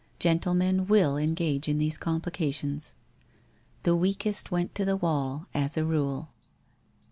Gentlemen will engage in these complications. ... The weakest went to the wall, as a rule.